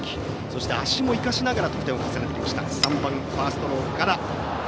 そして、足も生かしながら得点を重ねてきました。